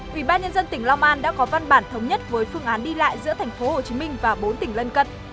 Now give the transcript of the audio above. ubnd tp hcm đã có văn bản thống nhất với phương án đi lại giữa tp hcm và bốn tỉnh lân cận